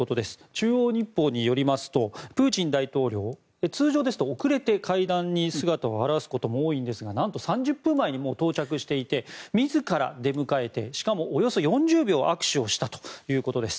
中央日報によりますとプーチン大統領通常ですと遅れて会談に姿を現すことも多いんですがなんと３０分前にもう到着していて、自ら出迎えてしかも、およそ４０秒握手をしたということです。